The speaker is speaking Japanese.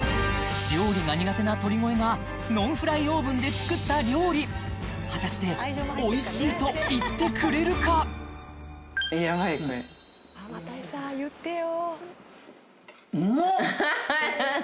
料理が苦手な鳥越がノンフライオーブンで作った料理果たして「おいしい」と言ってくれるかやばいよ